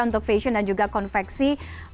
untuk fashion dan juga konveksi